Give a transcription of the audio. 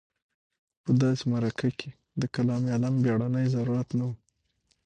په داسې معرکه کې د کلام علم بېړنی ضرورت نه و.